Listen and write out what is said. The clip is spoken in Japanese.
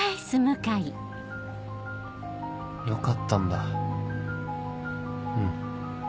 よかったんだうん